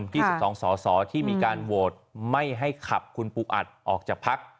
ยี่สิบสองสอสอที่มีการโวทย์ไม่ให้ขับคุณปุ๊กอัดออกจากพัก